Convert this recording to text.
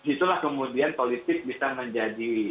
itulah kemudian politik bisa menjadi